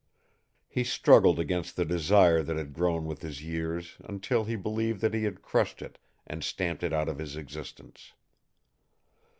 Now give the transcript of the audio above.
He struggled against the desire that had grown with his years until he believed that he had crushed it and stamped it out of his existence.